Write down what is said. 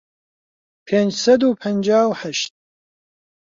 پێنج سەد و پەنجا و هەشت